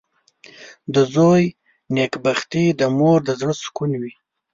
• د زوی نېکبختي د مور د زړۀ سکون وي.